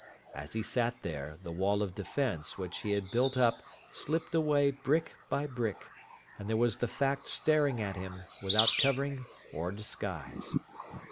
As he sat there, the wall of defence which he had built up slipped away brick by brick, and there was the fact staring at him, without covering or disguise.